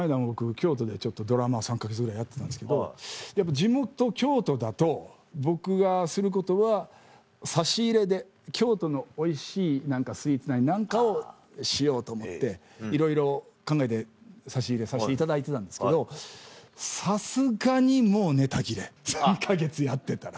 京都でドラマ３か月ぐらいやってたんですけどやっぱ地元京都だと僕がすることは差し入れで京都のおいしいスイーツなり何かをしようと思っていろいろ考えて差し入れさせていただいてたんですけどさすがにもうネタ切れ３か月やってたら。